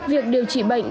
việc điều trị bệnh